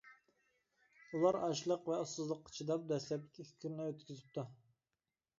ئۇلار ئاچلىق ۋە ئۇسسۇزلۇققا چىداپ دەسلەپكى ئىككى كۈننى ئۆتكۈزۈپتۇ.